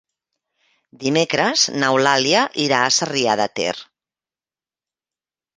Dimecres n'Eulàlia irà a Sarrià de Ter.